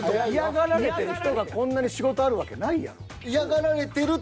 嫌がられてる人がこんなに仕事あるわけないやろ。